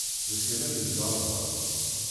D kemm ay yeẓẓan wa?